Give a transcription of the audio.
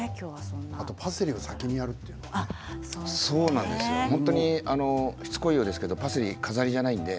あとパセリを先にやるというのが。しつこいようですけどパセリは飾りじゃないので。